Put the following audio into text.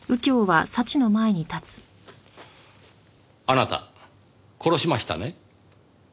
あなた殺しましたね？